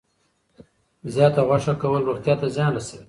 زیات غوښه کول روغتیا ته زیان رسوي.